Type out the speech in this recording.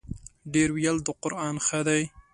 ـ ډېر ویل د قران ښه دی.